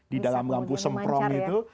di dalam lampu semprong itu